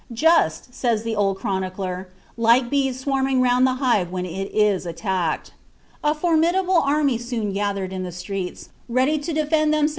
^ Just," says the old chronicler, ^ like bees swarming round the hive when it is attacked." A formidable army soon gathered in the streets, ready to defend themselves from de heimldic blazonry.